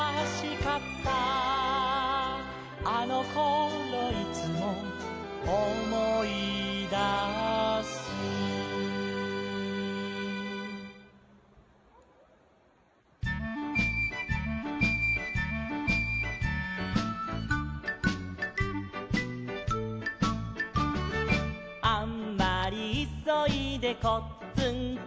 「あのころいつも」「おもいだす」「あんまりいそいでこっつんこ」